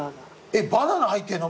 えっバナナ入ってんの？